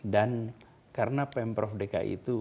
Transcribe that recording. dan karena pemprov dki itu